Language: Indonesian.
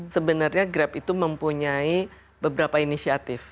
sebenarnya grab itu mempunyai beberapa inisiatif